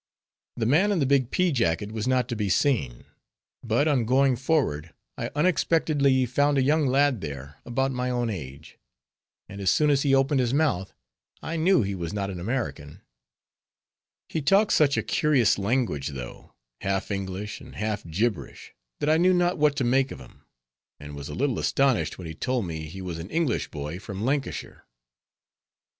The man in the big pea jacket was not to be seen; but on going forward I unexpectedly found a young lad there, about my own age; and as soon as he opened his mouth I knew he was not an American. He talked such a curious language though, half English and half gibberish, that I knew not what to make of him; and was a little astonished, when he told me he was an English boy, from Lancashire.